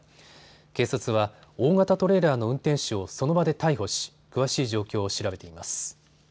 警察は大型トレーラーの運転手をその場で逮捕し詳しい状況を調べています。